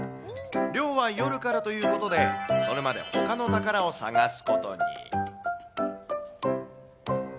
漁は夜からということで、それまでほかの宝を探すことに。